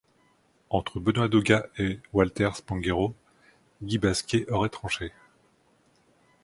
Entre Benoît Dauga et Walter Spanghero, Guy Basquet aurait tranché.